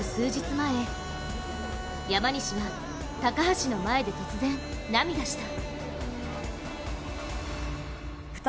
前山西は、高橋の前で突然涙した。